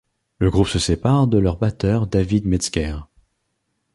Le groupe se sépare de leur batteur Dávid Metzger.